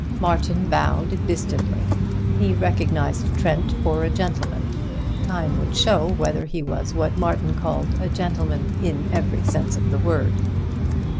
Martin bowed distantly. He recognized Trent for a gentleman. Time would show whether he was what Martin called a gentleman in every sense of the word.